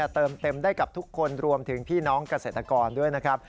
เติมเต็มได้กับทุกคนรวมถึงพี่น้องเกษตรกรด้วยนะครับ